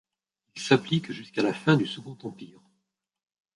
Il s’applique jusqu’à la fin du Second Empire.